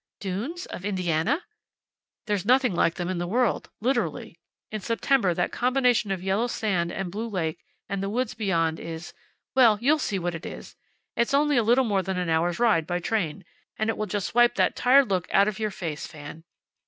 "Dunes? Of Indiana?" "There's nothing like them in the world. Literally. In September that combination of yellow sand, and blue lake, and the woods beyond is well, you'll see what it is. It's only a little more than an hour's ride by train. And it will just wipe that tired look out of your face, Fan."